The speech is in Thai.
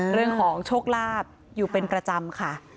เรื่องของโชคลาภอยู่เป็นประจำค่ะ